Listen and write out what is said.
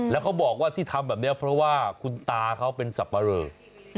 แล้วเขาบอกว่าที่ทำแบบนี้เพราะว่าคุณตาเขาเป็นสับปะเรอ